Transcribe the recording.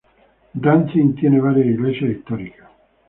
Gdansk tiene varias iglesias históricas: St.